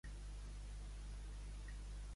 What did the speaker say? Pots insistir cada dues hores, siusplau?